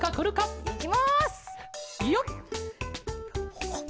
ほっ。